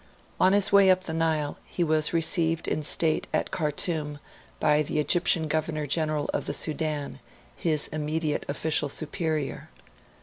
On his way up the Nile, he was received in state at Khartoum by the Egyptian Governor General of the Sudan, his immediate official superior.